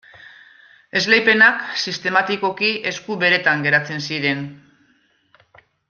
Esleipenak sistematikoki esku beretan geratzen ziren.